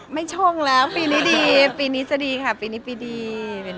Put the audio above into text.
ชงแล้วปีนี้ดีปีนี้จะดีค่ะปีนี้ปีดี